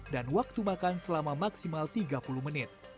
waktu makan selama maksimal tiga puluh menit